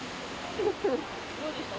どうでした？